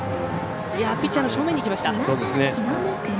ピッチャーの正面にいきました。